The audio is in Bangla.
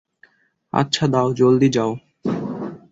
আচ্ছা দাও, জলদি যাও।